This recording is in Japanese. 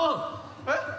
えっ？